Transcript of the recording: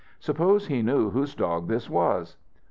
Suppose he knew whose dog this was!